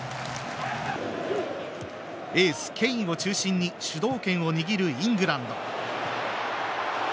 エース、ケインを中心に主導権を握るイングランド。